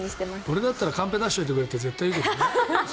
俺だったらカンペ出しといてくれって絶対に言うけどね。